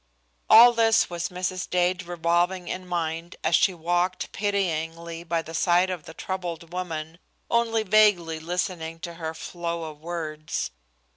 All this was Mrs. Dade revolving in mind as she walked pityingly by the side of the troubled woman, only vaguely listening to her flow of words.